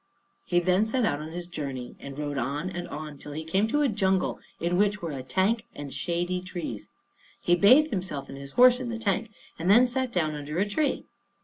He then set out on his journey, and rode on and on till he came to a jungle in which were a tank and shady trees. He bathed himself and his horse in the tank, and then sat down under a tree.